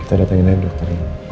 kita datangin aja dokternya